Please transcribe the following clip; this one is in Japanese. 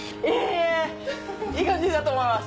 いい感じだと思います。